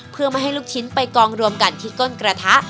เพื่อไม่ให้ลูกชิ้นไปกองรวมกันที่ก้นกระทะ